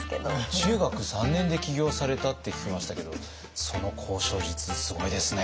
中学３年で起業されたって聞きましたけどその交渉術すごいですね。